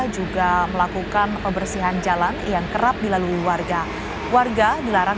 juga melakukan pembersihan jalan yang kerap dilalui warga warga dilarang